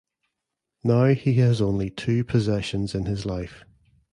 Now he has only two possessions in his life.